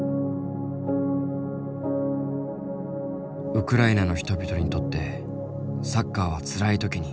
ウクライナの人々にとってサッカーはつらい時に支えとなる存在だった。